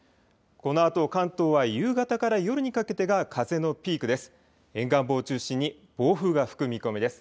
このあと関東は夕方から夜にかけてが風のピークです。